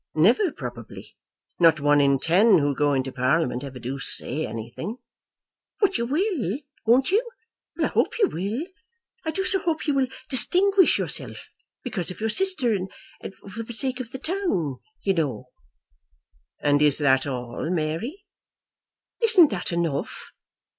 "Never, probably. Not one in ten who go into Parliament ever do say anything." "But you will; won't you? I hope you will. I do so hope you will distinguish yourself; because of your sister, and for the sake of the town, you know." "And is that all, Mary?" "Isn't that enough?"